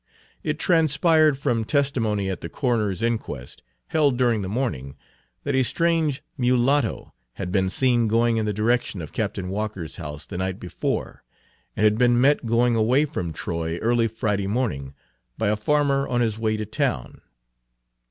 It transpired from testimony at the coroner's inquest, held during the morning, that a strange mulatto had been seen going in the direction of Captain Walker's house the night before, and had been met going away from Troy early Friday morning, by a farmer on his way to town.